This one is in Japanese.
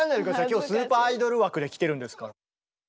今日スーパーアイドル枠で来てるんですから。